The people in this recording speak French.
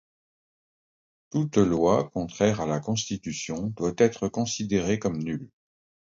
Toute loi contraire à la Constitution doit être considérée comme nulle.